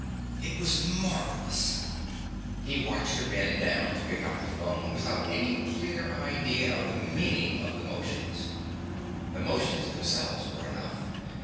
It was marvelous. He watched her bend down to pick up the phone without any clear idea of the meaning of the motions. The motions themselves were enough.